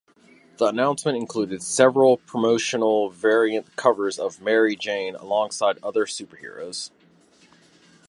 The announcement included several promotional variant covers of Mary Jane alongside other superheroes.